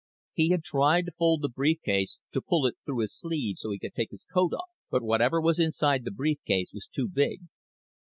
He had tried to fold the brief case to pull it through his sleeve so he could take his coat off, but whatever was inside the brief case was too big.